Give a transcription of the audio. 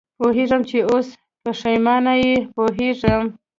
پوهېږم چې اوس پېښېمانه یې، پوهېږم.